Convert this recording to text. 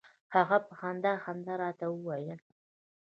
هغې په خندا خندا راته وویل.